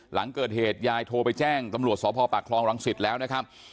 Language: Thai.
หลังเกิดเหตุยายโทรไปแจ้งตำรวจสพปากคลองรังสิตแล้วนะครับ